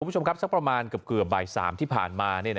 คุณผู้ชมครับสักประมาณเกือบบ่าย๓ที่ผ่านมา